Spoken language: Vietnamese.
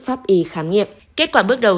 pháp y khám nghiệm kết quả bước đầu